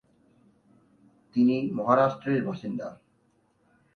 তিনি মহারাষ্ট্রের বাসিন্দা।